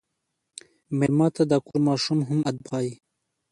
مېلمه ته د کور ماشوم هم ادب ښيي.